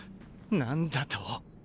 何だと？